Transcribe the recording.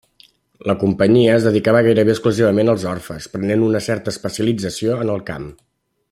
La Companyia es dedicava gairebé exclusivament als orfes, prenent una certa especialització en el camp.